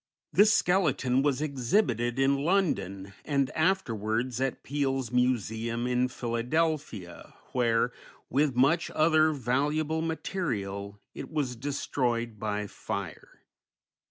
This skeleton was exhibited in London, and afterwards at Peale's Museum in Philadelphia where, with much other valuable material, it was destroyed by fire.